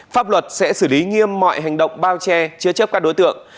pháp luật sẽ xử lý nghiêm mọi hành động bao che chứa chấp các đối tượng